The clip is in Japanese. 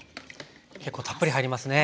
結構たっぷり入りますね。